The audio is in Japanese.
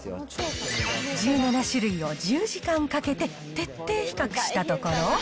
１７種類を１０時間かけて徹底比較したところ。